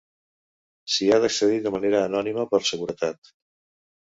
S'hi ha d'accedir de manera anònima per seguretat.